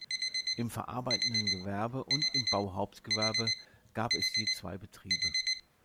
Im verarbeitenden Gewerbe und im Bauhauptgewerbe gab es je zwei Betriebe.